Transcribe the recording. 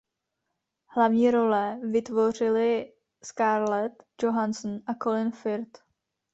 Hlavní role vytvořili Scarlett Johansson a Colin Firth.